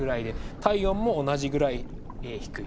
体温も同じぐらい低い。